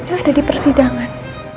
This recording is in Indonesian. ada di persidangan